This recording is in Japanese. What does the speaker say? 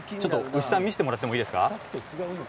牛さん見せてもらっていいですか。